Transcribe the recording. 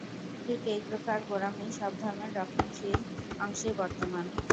ঠিক এই প্রকার গোঁড়ামি সব ধর্মের রক্ষণশীল অংশেই বর্তমান।